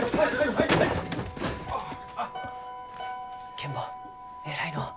ケン坊偉いのう。